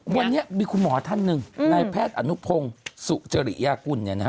วันนี้มีคุณหมอท่านหนึ่งนายแพทย์อนุพงศุเจรี้ยกุล